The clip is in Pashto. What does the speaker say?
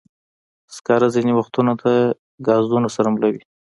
سکاره ځینې وختونه د ګازونو سره مله وي.